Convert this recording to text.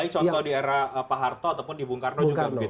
contoh di era pak harto ataupun di bung karno juga begitu